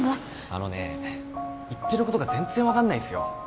あのね言ってることが全然分かんないっすよ。